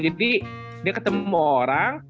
jadi dia ketemu orang